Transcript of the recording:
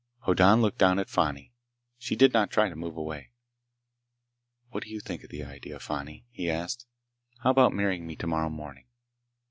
Hoddan looked down at Fani. She did not try to move away. "What do you think of the idea, Fani?" he asked. "How about marrying me tomorrow morning?"